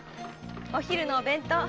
お昼のお弁当。